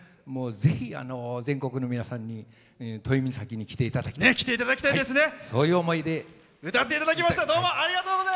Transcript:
ぜひ全国の皆さんに都井岬に来ていただきたいそういう思いで。